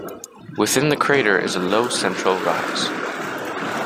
Within the crater is a low central rise.